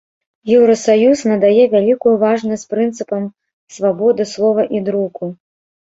Еўрасаюз надае вялікую важнасць прынцыпам свабоды слова і друку.